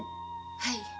はい。